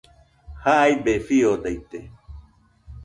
Jaibe fiodaite